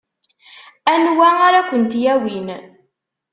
Anwa ara kent-yawin?